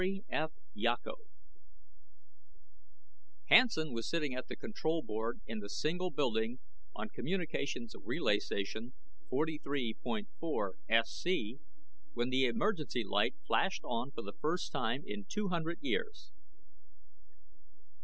] Hansen was sitting at the control board in the single building on Communications Relay Station 43.4SC, when the emergency light flashed on for the first time in two hundred years.